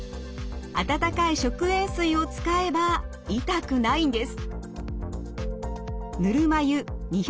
温かい食塩水を使えば痛くないんです。